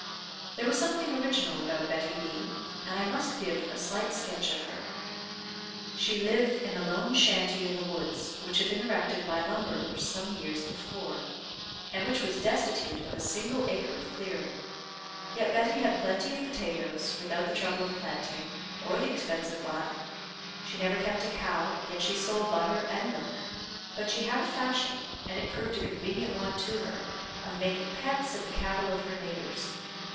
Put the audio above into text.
There was something original about Betty B , and I must give a slight sketch of her. She lived in a lone shanty in the woods, which had been erected by lumberers some years before, and which was destitute of a single acre of clearing; yet Betty had plenty of potatoes, without the trouble of planting, or the expense of buying; she never kept a cow, yet she sold butter and milk; but she had a fashion, and it proved a convenient one to her, of making pets of the cattle of her neighbours.